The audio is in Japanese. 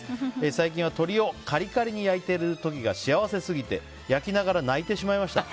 最近は鳥をカリカリに焼いてる時が幸せすぎて焼きながら泣いてしまいました。